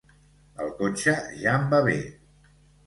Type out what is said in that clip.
El cotxe ja em va bé.